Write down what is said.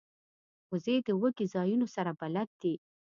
وزې د دوږی ځایونو سره بلد دي